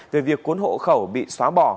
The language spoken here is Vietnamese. về việc cuốn hộ khẩu bị xóa bỏ